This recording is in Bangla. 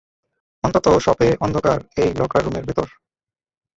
অন্তত শপে অন্ধকার এই লকার রুমের ভেতর!